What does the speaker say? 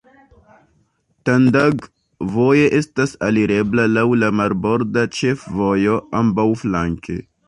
Tandag voje estas alirebla laŭ la marborda ĉefvojo ambaŭflanke.